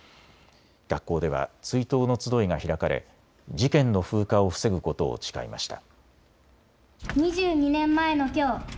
学校では追悼の集いが開かれ事件の風化を防ぐことを誓いました。